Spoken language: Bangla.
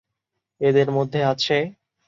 এদের মধ্যে আছেঃ